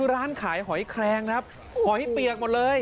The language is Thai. ร้านขายหอยแครงครับหอยเปียกหมดเลย